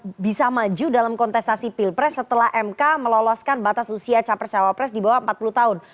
karena bisa maju dalam kontestasi pilpres setelah mk meloloskan batas usia capres cawapres di bawah empat puluh tahun